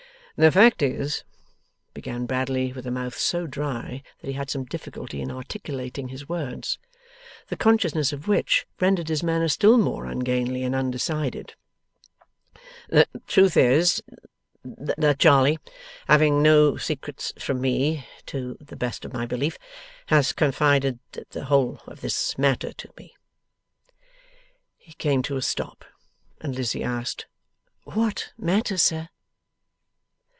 'The fact is,' began Bradley, with a mouth so dry that he had some difficulty in articulating his words: the consciousness of which rendered his manner still more ungainly and undecided; 'the truth is, that Charley, having no secrets from me (to the best of my belief), has confided the whole of this matter to me.' He came to a stop, and Lizzie asked: 'what matter, sir?